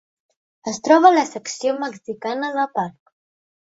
Es troba a la secció mexicana de parc.